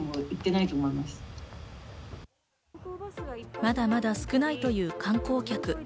まだまだ少ないという観光客。